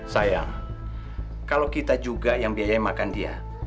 sayang kalau kita juga yang biaya makan dia